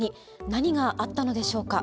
何があったのでしょうか。